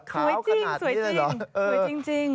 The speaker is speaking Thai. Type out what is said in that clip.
สวยจริง